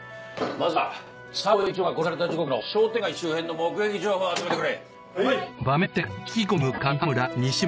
まずは佐藤院長が殺された時刻の商店街周辺の目撃情報集めてくれ。